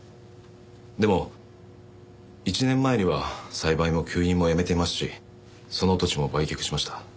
でも１年前には栽培も吸引もやめていますしその土地も売却しました。